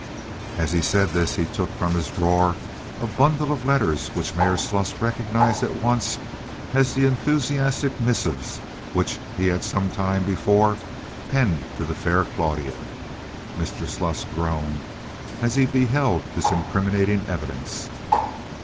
(As he said this he took from his drawer a bundle of letters which Mayor Sluss recognized at once as the enthusiastic missives which he had sometime before penned to the fair Claudia. Mr. Sluss groaned as he beheld this incriminating evidence.)